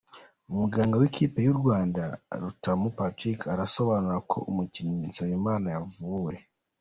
Umuganga w’ikipe y’u Rwanda Rutamu Patrick arasobanura uko umukinnyi Nsabimana yavuwe.